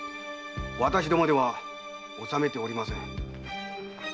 私どもでは納めておりません。